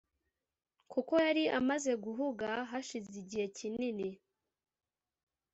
kuko yari amaze guhuga hashize igihe kinini